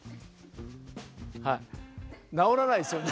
直らないですよね。